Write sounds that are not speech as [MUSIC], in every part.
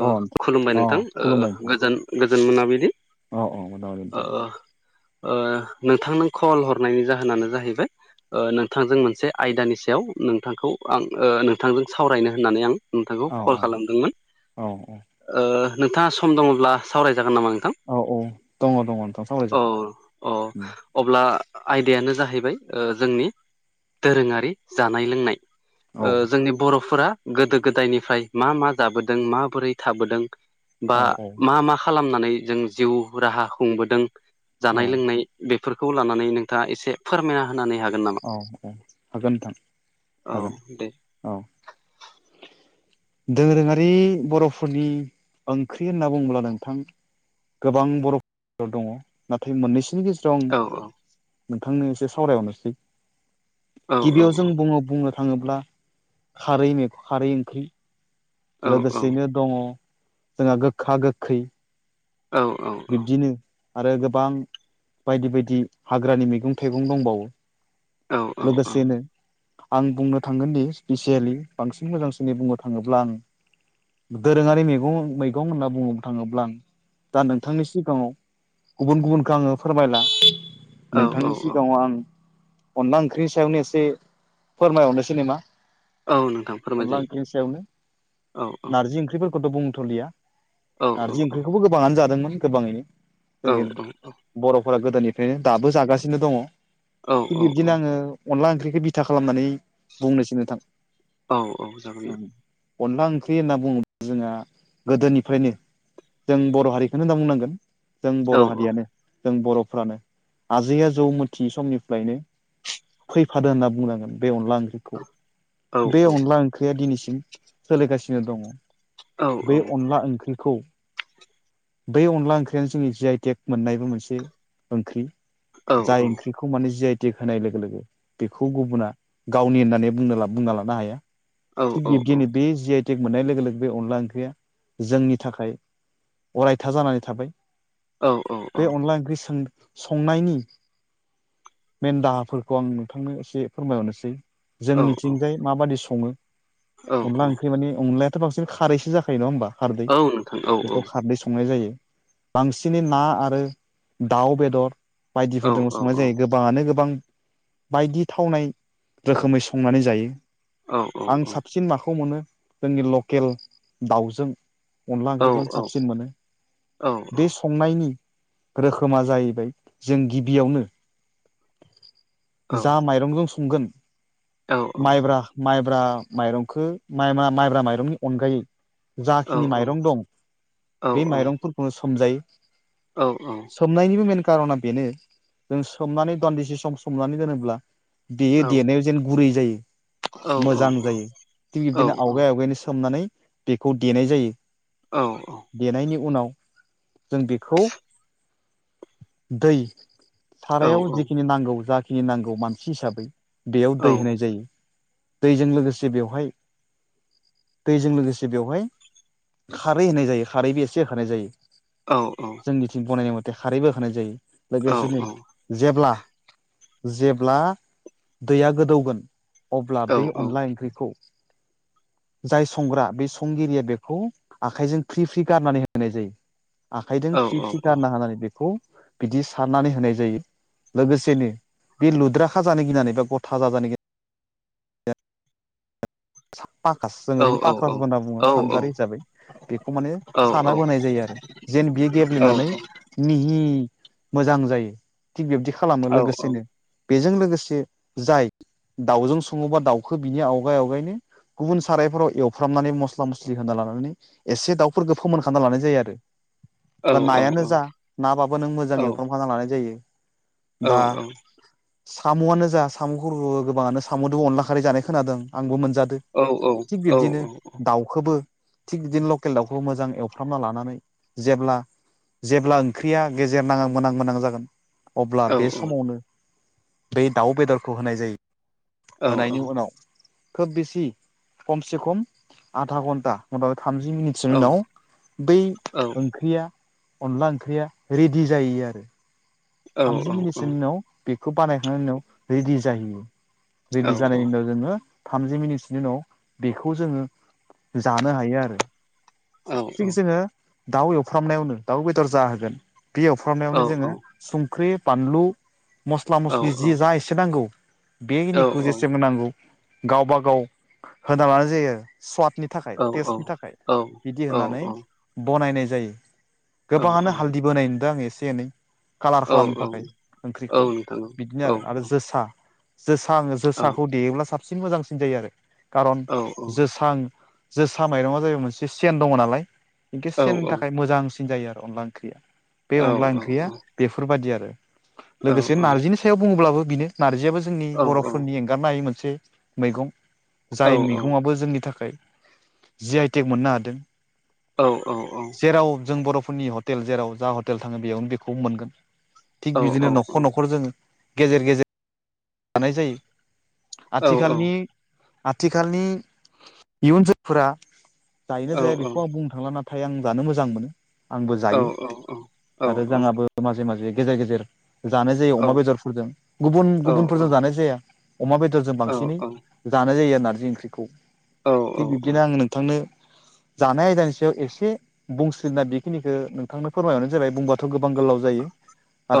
अ नोंथां खुलुमबाय नोंथां अ खुलुमबाय ओह नोंथां गोजोन गोजोन मोनाबिलि औ औ मोनाबाय नोंथां ओह ओह नोंथांनो कल हरनायनि जाहोनानो जाहैबाय ओह नोंथांजों मोनसे आयदानि सायाव नोंथांखौ आं ओ नोंथांजों सावरायनो होननानै आं नोंथांखौ औ कल खालामदोंमोन। औ औ ओह नोंथाङा सम दङब्ला सावरायजागोन नामा नोंथां? औ औ दङ दङ नोंथां औ सावरायजागोन अ अब्ला आयदायानो जाहैबाय ओ जोंनि दोरोङारि जानाय लोंनाय। औ ओ जोंनि बर'फोरा गोदो गोदायनिफ्राय मा मा जाबोदों मा बोरै थाबोदों बा औ औ मा मा खालामनानै जों जिउ राहा खुंबोदों औ जानाय लोंनाय बेफोरखौ लानानै नोंथाङा एसे फोरमायना होनानै हागोन नामा औ हागोन नोंथां औ हागोन दे औ दोरोङारि बर'फोरनि ओंख्रि होनना बुङोब्ला नोंथां गोबां बर' [UNINTELLIGIBLE] दङ नाथाय मोननैसोनि गेजे औ [UNINTELLIGIBLE] नोंथांनो एसे सावरायहरनोसै औ औ गिबियाव जों बुङो बुंनो थाङोब्ला खारै मैगं खारै ओंख्रि औ लोगोसेयैनो दङ जोंहा गोखा गोखै औ औ बिब्दिनो आरो गोबां बायदि बायदि हाग्रानि मैगं थाइगं दंबावो औ लोगोसेनो आं बुंनो थांगोनदि स्पिसियेलि बांसिन मोजांसिनै बुंनो थाङोब्ला आंङो दोरोङारि मेगं मैगं होनना बुंनो थाङोब्ला आं दा नों थांनि सिगाङाव गुबुन गुबुनखो आङो फोरमायला औ औ नोंथांनि औ सिगाङाव आङो अनला ओंख्रिनि सायावनो एसे फोरमायहरनोसै नोमा औ नोंथां फोरमाय अनला जायो ओंख्रिनि सायावनो औ औ नारजि ओंख्रिफोरखौथ' बुंथ'लिया औ औ नारजि ओंख्रिखौबो गोबाङानो जादोंमोन गोबाङैनो औ जोंनि औ बर'फोरा गोदोनिफ्रायनो दाबो जागासिनो दङ औ थिग बिब्दिनो आङो अनला ओंख्रिखो बिथा खालामनानै बुंनोसै नोंथां औ औ जागोन अनला ओंख्रि होनना बुङो जोंहा गोदोनिफ्रायनो जों बर' हारिखौनो होनना बुंनांगोन जों औ बर' हारियानो जों बर'फ्रानो आजै आजौ मथियि समनिफ्रायनो फैफादो होनना बुंनांगोन बे अनला ओंख्रि औ बे औ अनला ओंख्रिया दिनैसिम सोलिगासिनो दङ। औ बे अनला ओंख्रिखौ बे अन नला ओंख्रियानो जोंनि जि आइ टेक मोननायबो मोनसे ओंख्रि औ जाय ओंख्रि खौ माने जि आइ टिक होनाय लोगो लोगो बेखौ गुबुना गावनि होननानै बुंना बुंना लानो हाया। औ औ थिक बिदिनो बे जि आइ मोननाय लोगो लोगो बे अनला ओंख्रिया जोंनि थाखाय अरायथा जानानै थाबाय औ औ बे अनला ओंख्रि सों संनायनि मेन दाहाफोरखौ आं नोंथांनो एसे फोरमायहरनोसै औ जोंनिथिंजाय माबायदि सङो औ औ अनला ओंख्रि माने अनलायाथ' बांसिन खारैसो जाखायो नङा होनोमबा खारदै औ नोंथां औ औ बेखौ खारदै संनाय जायो। बांसिनै ना आरो दाउ बेदर औ बायदिफोरजों औ संनाय औ जायो गो बाङानो गोबां बायदि थावनाय रोखोमै संनानै जायो। औ औ आं साबसिन माखौ मोनो जोंनि लकेल दाउजों अनला औ ओंख्रिखौनो साबसिन मोनो। बे संनायनि रोखोमा जाहैबाय जों गिबियावनो जा माइरंजों संगोन माइब्रा माइब्रा माइरंखौ माइ मा माइब्रा माइरंनि अनगायै औ जाखिनि औ माइरं दं बे माइरंफोरखौनो सोमजायो औ औ सोमनायनिबो मेन कारना बेनो जों सोमनानै दान्दिसे सम सोमनानै दोनोब्ला देयो देनायाव जेन गुरै जायो। मोजां जायो थिग बिब्दिनो आवगाय आवगायनो सोमनानै बेखौ देनाय जायो। औ औ देनायनि उनाव जों बेखौ दै सारायाव जिखिनि नांगौ जा खिनि नांगौ मानसि हिसाबै बेयाव दै होनाय जायो दैजों लोगोसे बेवहाय दैजों लोगोसे बेवहाय खारै होनाय जायो खारैबो एसे होखानाय जायो। औ औ। जोंनिथिं बनायनाय मथे खारैबो होनानाय जायो लोगोसेनो जेब्ला जेब्ला दैया गोदौगोन अब्ला बे अनला ओंख्रिखौ जाय संग्रा बे संगिरिया बेखौ आखाइजों फ्रि फ्रि गारनानै होनाय जायो आखाइजों फ्रि फ्रि गारना हानानै बेखौ बिदि सारनानै होनाय जायो लोगोसेनो बे लुद्राखा जानो गिनानै बा गथा ज जानो गि सापकास जों ओरैनो पकास होनना बुङो सानजारि हिसाबै बेखौ माने सानाबोनाय जायो आरो जेन बियो गेब्लेनानै मिहि मोजां जायो थिग बिबदि खालामो लोगोसेनो बेजों लोगोसे जाय दाउजों सङोबा दाउखौ बिनि आवगाय आवगायनो गुबुन सारायफोराव एवफ्रामनानै मस्ला मस्लि होना लानानै एसे दाउफोरखौ फोमोनखांना लानाय जायो आरो । दा नायानो जा नाबाबो नों मोजां एवफ्रामफा लानाय जायो। बा साम'आनो जा साम'खौबो गोबाङानो सम'जों अनला खारै जानाय खोनादों आंबो मोनजादों औ औ थिग बिबदिनो दाउ दाउखौबो थिग बिदिनो लकेल दाउखौ मोजां एवफ्रामना लानानै जेब्ला जेब्ला ओंख्रिया गेजेर नाङा मोनां मोनोनां जागोन अब्ला बे समावनो बे दाउ बेदरखौ होनाय जायो होनायनि उनाव खोब बेसि खमसे खम आधा घन्टा हबाबो थामजि मिनिट सिंनाव बै ओंख्रिया अनला ओंख्रिया रेडि जायो आरो थामजि मिनिटसोनि उनाव बेखौ बानायखांनायनि उनाव रेदि जाहैयो। रेदि जानाय उनाव जोङो थामजि मिनिटसोनि उनाव बेखौ जोङो जानो हायो आरो थिग जोङो दाउ एवफ्रामनायावनो दाउ बेदर जा होगोन बे एवफ्रामनायावनो जोङो संख्रि बानलु मस्ला मस्लि जि जा एसे नांगौ बेखिनिखौ जेसेां नांगौ गावबा गाव होना लानो जायो आरो स्वादनि थाखाय टेस्टनि थाखाय बिदि होननानै बनायनाय जायो गोबाङानो हालददि बनाय नुदों आं एसे एनै कालार खालामनो थाखाय ओंख्रिखौ बिदिनो आरो आरो जोसा जोसां औ जोसाखौ देयोब्ला साबसिन मोजांसिन जायो आरो खारन औ जोसां जोसा माइरङा जाहबाय मोनसे सेन दङ नालाय खन्थ औ औ सेननि थाखाय मोजांसिन जायो आरो अनला फोर औ आरोनि खाथायायाव बुङोब्लाबो बिनो नारजियाबो जोंनि बर'फोरनि एंगारनो हायै मोनसे मैगं औ जाय मैगङआो जोंनि थाखाय जि आइटेक मोननो हादों जेराव जों बर'फोरनि हटेल जेराव जा हटेल थाङो बेयावनो बेखौ मोनगोन थिग बिदिनो न'खर न'खर जोंो गेजेर गेजेर लानाय जायो आथिखालनि आथिखालनि इयुन जोलफोरा जायोन जाया बेखौ आं बुंनो थांला न हाथाय आं जानो मोजां मोनो आंबो जायो आरो जोंाबो माजे माजे गेजेर गेजेर जानाय जायो अमा बेदरफोरजों गुबुन गुबुनफोरजों जानाय जाया अमा बेदरजों बांसिनै जानाय जायो आरो नारजि ओंख्रिखौ थिग बिब्दिनो आङ नोंथांनो जानाय आयदानि सायाव एसे बुंसलिना बेखिनिखौो नोंथांनो फोरमायबरानो जाबाय बुंब थ' गोबां गोलाव जायो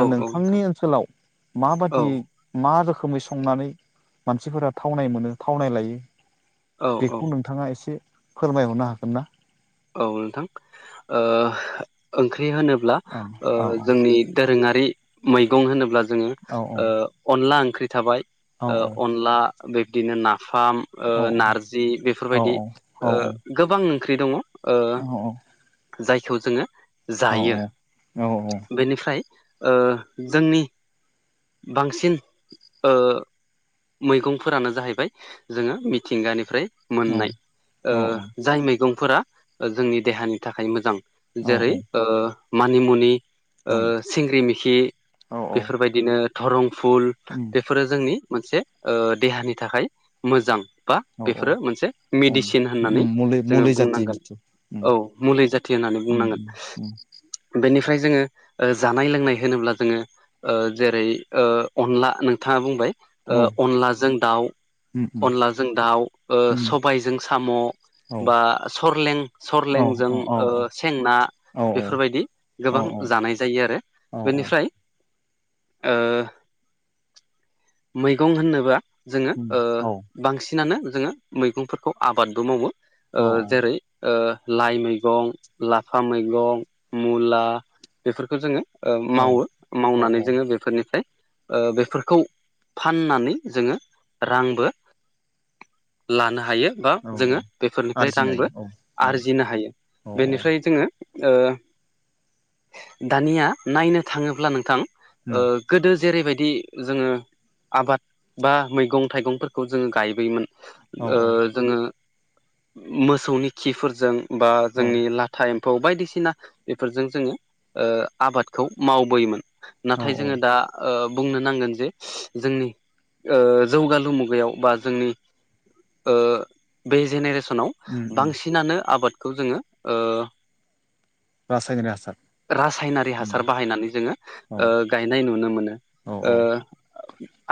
औ नोंथांनि ओनसोलाव माबादियै औ मा रोखोमै संनानै मानसिफोरा थावनाय मोनो थावनाय लायो नोंथां औ बेखौ नोंथाङा एसे फोरमायहरनो हागोन ना औ नोंथां ओंख्रि होनोब औ औ जोंनि दोरोङारि मैगं होनोब्ला जोङो औ अनला ओंख्रि थाबाय औ अनला बिब्दिनो नाफाम औ नारजि औ बेफोरबायदि गोबां ओंख्रि दङ अ औ जायखौ जोङो जायो बेनिफ्राय जोंनि बांसिन मैगंफोरानो जाहैबाय जोङो मिथिंगानिफ्राय मोननाय जाय मैगंफोरा जोंनि देहानि थाखाय मोजां जेरै मानिमुनि सिंग्रि मिेखि बेफोरबायदि बिदिनो धरं फुल उम बेफोरो जोंनि मोनसे देहानि थाखाय मोजां बा बेफोरो मोनसे मेडिसिन होननानै मुलि मुलि जोङो जाथि बुंनांगोन मिथि औ मुलि जाथि होननानै बुंनांगोन बेनिफ्राय जोङो जानाय लोंनाय होनोब्ला जोङो जेरै अनला नोंथाङा बुंबाय औ अनलाजों दाउ अनलाजों दाउ सबायजों साम' औ बा सरलें औ औ सरलेंजों औ सेंना बेफोरबायदि गोबां जानाय जायो आरो औ बेनिफ्राय मैगं होननोबा जोङो औ औ बांसिनानो जोङो मैगंफोरखौ आबादबो मावो औ जेरै लाइ मैगं लाफा मैगं मुला बेफोरखौ जोङो औ मावो औ मावनानै जोङो बे बे फोरनिफ्राय बेफोरखौ फाननानै जोङो रांबो - लानो हायो बा औ जोङो औ बेफोरनिफ्राय आरजिनाय रांबो औ औ आरजिनो हायो औ बेनिफ्राय जोङो दानिया नायनो थाङोब्ला नोंथां औ गोदो जेरैबायदि जोङो आबाद बा मैगं थाइगंफोरखौ जोङो गायबोयोमोन। औ जोङो मोसौनि खिफोरजों बा औ जोंनि ला टाइम्फौ बायदिसिना बेफोरजों जोङो आबादखौ मावबोयोमोन। औ नाथाय जोङो दा बुंनो नांगोन जे जोंनि जौगालु मुगायाव बा जोंनि बे जेनेरेसनाव उम उम बांसिनानो आबादखौ जोङो बासाय रासायनारि हासार बाहायनानै जोङो औ गायनाय नुनो मोनो। औ औ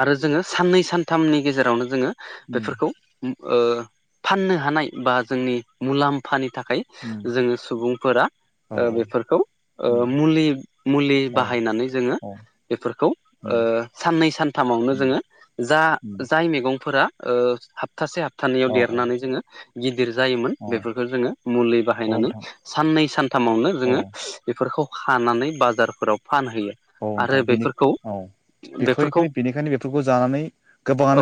आरो जोङो साननै सानथामनि गेजेरावनो जोङो उम बेफोरखौ फाननो हानाय बा जोंनि मुलाम्फानि थाखाय उम जोङो सुबुंफोरा औ औ बेफोरखौ उम मुलि मुलि औ बाहायनानै जोङो औ बेफोरखौ उम साननै सानथामावनो उम जोङो जा उम जाय मैगंफोरा हाबथासे हाबथानैयाव औ देरनानै जोङो गिदिर जायोमोन औ बेफोरखौ जोङो मुलि औ बाहायनानै नोंथां साननै सानथामावनो औ जोङो बेफोरखौ हानानै बाजारफोराव फानहैयो। औ नोंथां आरो बेनि बेफोरखौ औ बेफोरखौ बेखायनो बेनिखायनो बेफोरखौ जानानै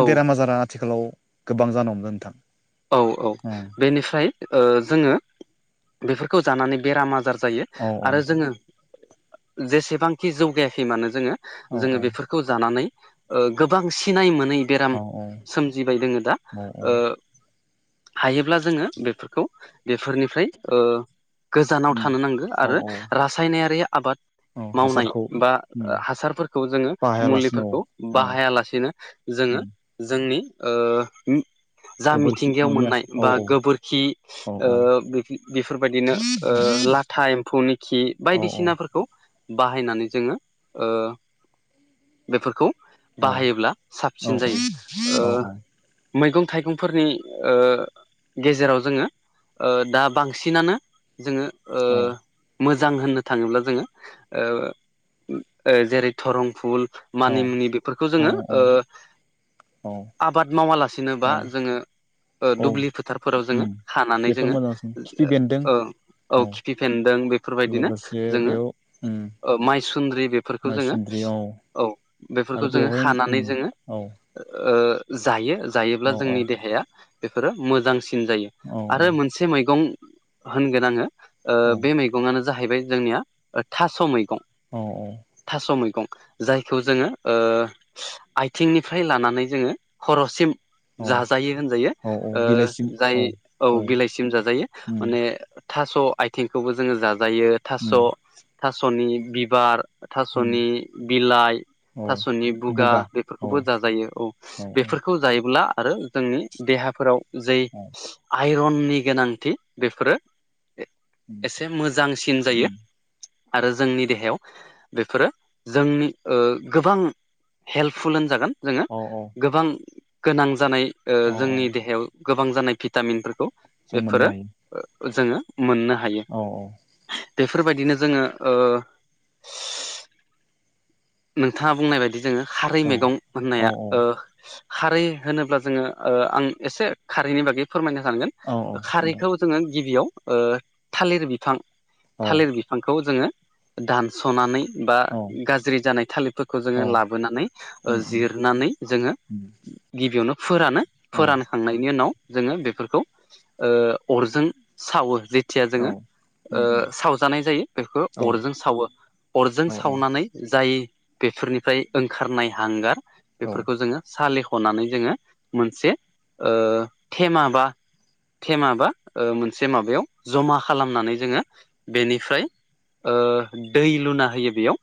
औ बेराम आजारा आथिखालाव गोबां जान हमदों नोंथां। औ औ बेनिफ्राय जोङो बेफोरखौ जानानै बेराम आजार जायो। औ औ आरो जोङो जेसेबांखि जौगायाखै मानो जोङो औ जोङो बेफोरखौ खौ जानानै गोबां सिनाय मोनै औ बेराम सोमजिबाय दोङो दा औ हायोब्ला जोङो बेफोरखौ बेफोरनिफ्राय गोजानाव थानो नांगौ औ आरो औ रासायनारि आबाद औ मावनाय हासारखौ बा उम हासारफोरखौ जोङो बाहायालासिनो मुलिफोरखौ औ औ बाहायालासेनो जोङो उम जोंनि जा गोबोरखि मिथिंगायाव न'नि मोननाय हासार औ बा औ गोबोरखि औ बेफोरबायदिनो लाथा एम्फौनि खि औ बायदिसिना बाहायनानै जोङो बेफोरखौ औ बाहायोब्ला औ साबसिन जायो मैगं थाइगंफोरनि गेजेराव जोङो दा बांसिनानो जोङो ओ औ मोजां होननो थाङोब्ला जोङो जेरै थरं फुल मानि मुनि बेफोरखौ जोङो औ आबाद औ मावालासिनोबा जोङो औ दुब्लि फोथारफोराव जोङो उम हानानै बेफोर जोङो मोजांसिन खिफि बेन्दों औ खिफि फेनदों बेफोरबायदिनो लोगोसे जोङो बेयाव उम माइसुन्द्रि बे फोरखौ जोङो औ आरो बेफोरखौ जोङो बेवहाय उम हानानै जोङो। औ ओ जायो जायोब्ला औ जोंनि देहाया बेफोरो मोजांसिन जायो। औ आरो मोनसे मैगं होनगोन आङो ओ औ बे मैग मैगङानो जाहैबाय जोंनिया ओथास' मैगं औ औ थास' मैगं जायखौ जोङो ओ आथिंनिफ्राय लानानै जोङो हर'सिम औ जाजायो होनजायो औ औ ओ बिलाइसिम जाय औ बिलाइसिम जाजायो उम माने थास' आथिंखौबो जोङो जाजायो थास' उम थास'नि बिबार उम थास'नि बिलाइ औ थास'नि बुगा बेफोरखौबो जाजायो औ बेफोरखौ जायोब्ला आरो जोंनि देहाफोराव जै औ आइरननि गोनांथि बेफोरो उम एसे मोजांसिन उम जायो आरो जोंनि देहायाव बेफोरो जोंनि ओ गोबां हेल्पफुल होनजागोन जोङो औ औ गोबां गोनां जानाय ओ औ जोंनि औ देहायाव गोबां जानाय भिटामिनफोरखौ जों मोननो बेफोरो हायो जोङो मोननो हायो औ औ बेफोरबायदिनो जोङो ओ नोंथाङा बुंनाय बायदि जोङो खारै औ मैगं औ होननाया ओ खारै होनोब्ला जोङो ओ आं एसे खारैनि बागै फोरमायनो सानगोन औ औ नोंथां खारैखौ जोङो गिबियाव ओ थालिर बिफां औ थालिर बि बिफांखौ जोङो दानस'नानै बा औ गाज ज्रि जानाय थालिरफोरखौ जोङो औ लाबोनानै ओ उम उम जिरनानै जोङो उम गिबियावनो फोरानो औ फोरानखांनायनि उनाव जोङो बेफोरखौ ओ अरजों सावो जे थिया जोङो औ उम ओ उम सावजानाय जायो बेखौ औ अरजों सावो अरजों औ सावनानै जाय बेफोरनिफ्राय ओंखारनाय हांगार औ औ बेफोरखौ जोङो सालिख'नानै जोङो मोनसे ओ थेमा बा थेमा बा ओ मोनसे माबायाव जमा खालामनानै जोङो बेनिफ्राय ओ दै लुना होयो बेयाव